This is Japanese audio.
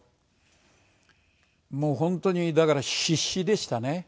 もう本当にだから必死でしたね。